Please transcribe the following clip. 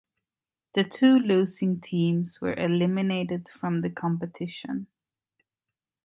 The two losing teams were eliminated from the competition.